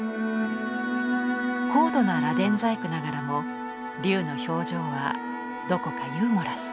高度な螺鈿細工ながらも龍の表情はどこかユーモラス。